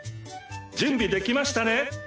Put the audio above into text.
準備出来ましたね？